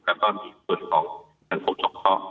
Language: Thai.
แล้วก็มีส่วนของในที่ก็ก่อ